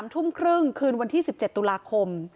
ทุ่มครึ่งคืนวันที่๑๗ตุลาคม